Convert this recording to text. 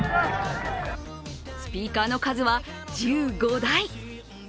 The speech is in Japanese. スピーカーの数は１５台。